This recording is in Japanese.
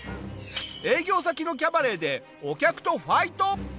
営業先のキャバレーでお客とファイト！